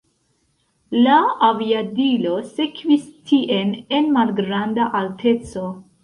La aviadilo sekvis tien en malgranda alteco.